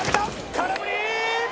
空振り！